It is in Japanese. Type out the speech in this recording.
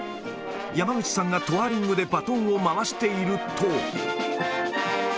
山口さんがトワーリングでバトンを回していると。